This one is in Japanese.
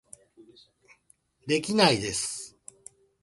できないです